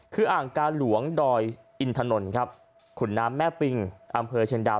คืออ่างกาหลวงดอยอินถนนครับขุนน้ำแม่ปิงอำเภอเชียงดาว